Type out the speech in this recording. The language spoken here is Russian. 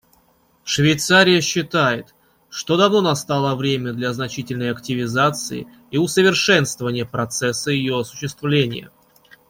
Швейцария считает, что давно настало время для значительной активизации и усовершенствования процесса ее осуществления.